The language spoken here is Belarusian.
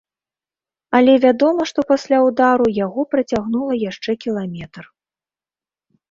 Але вядома, што пасля ўдару яго працягнула яшчэ кіламетр.